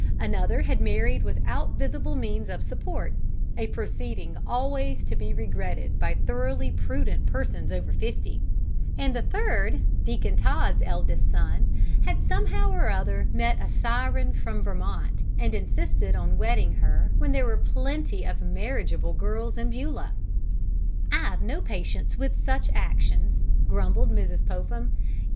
Another had married without visible means of support, a proceeding always to be regretted by thoroughly prudent persons over fifty; and the third, Deacon Todd's eldest son, had somehow or other met a siren from Vermont and insisted on wedding her when there were plenty of marriageable girls in Beulah. "I've no patience with such actions!" grumbled Mrs. Popham.